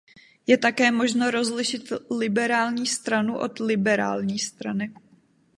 Je také možno rozlišit liberální stranu od Liberální strany.